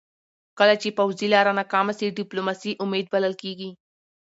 کله چې پوځي لاره ناکامه سي، ډيپلوماسي امید بلل کېږي .